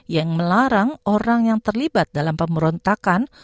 yang melarang orang yang terlibat dalam pemerontakan